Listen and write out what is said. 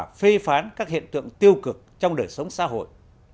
những nhân tố ưu tú tích cực và phê phán các hiện tượng tiêu cực trong đời sống xã hội